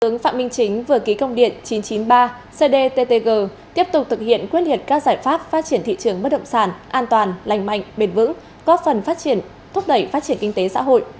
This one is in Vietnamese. thủ tướng phạm minh chính vừa ký công điện chín trăm chín mươi ba cdttg tiếp tục thực hiện quyết liệt các giải pháp phát triển thị trường bất động sản an toàn lành mạnh bền vững góp phần phát triển thúc đẩy phát triển kinh tế xã hội